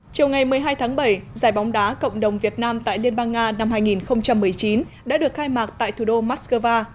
chiều ngày một mươi hai tháng bảy giải bóng đá cộng đồng việt nam tại liên bang nga năm hai nghìn một mươi chín đã được khai mạc tại thủ đô moscow